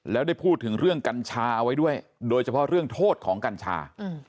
แล้วได้พูดถึงเรื่องกัญชาเอาไว้ด้วยโดยเฉพาะเรื่องโทษของกัญชา